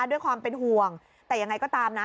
ด้วยความเป็นห่วงแต่ยังไงก็ตามนะ